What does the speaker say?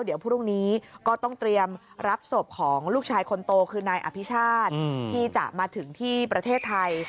เดี๋ยวพรุ่งนี้ก็ต้องเตรียมรับศพของลูกชายคนโตคือนายอภิชาติที่จะมาถึงที่ประเทศไทย